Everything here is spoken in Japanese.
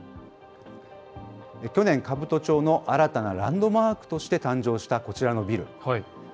去年、兜町の新たなランドマークとして誕生したこちらのビル。